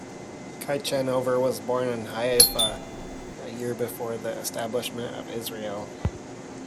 Ciechanover was born in Haifa, a year before the establishment of Israel.